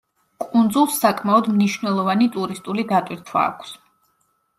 კუნძულს საკმაოდ მნიშვნელოვანი ტურისტული დატვირთვა აქვს.